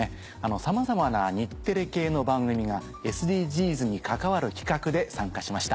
さまざまな日テレ系の番組がＳＤＧｓに関わる企画で参加しました。